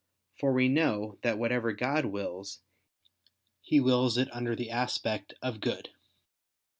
For we know that whatever God wills, He wills it under the aspect of good.